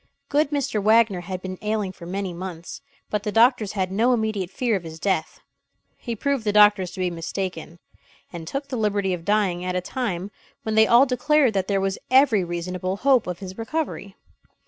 Good Mr. Wagner had been ailing for many months; but the doctors had no immediate fear of his death. He proved the doctors to be mistaken; and took the liberty of dying at a time when they all declared that there was every reasonable hope of his recovery.